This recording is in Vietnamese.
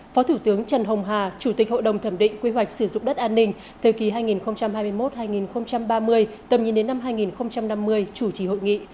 phó thủ tướng trần hồng hà chủ tịch hội đồng thẩm định quy hoạch sử dụng đất an ninh thời kỳ hai nghìn hai mươi một hai nghìn ba mươi tầm nhìn đến năm hai nghìn năm mươi chủ trì hội nghị